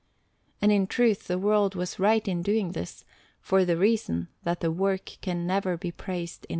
And in truth the world was right in doing this, for the reason that the work can never be praised enough.